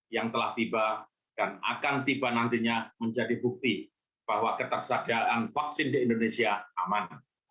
yang telah tiba dan akan tiba nantinya menjadi bukti bahwa ketersediaan vaksin di indonesia aman